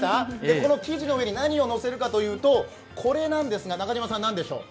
ここの生地の上に何をのせるかというとこれなんです、中島さん何でしょう。